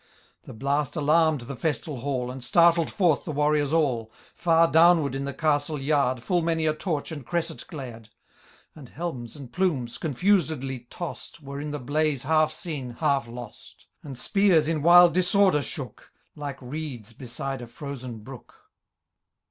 The blast alarm'd the' festal hall. And startled forth the warriors all ; Far downward, in the castle yard. Full many a torch and cresset glared z And helms and plumes, confusedly toss'd. Were in the blaze half seen, half lost ; And spears in wild disorder shook. Like reeds beside a frozen brook.